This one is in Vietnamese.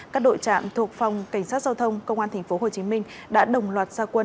các đội trạm thuộc phòng cảnh sát giao thông công an tp hcm đã đồng loạt gia quân